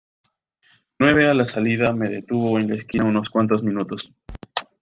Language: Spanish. Nueve a la salida me detuvo en la esquina unos cuantos minutos.